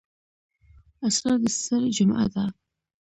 اسرار د سِر جمعه ده.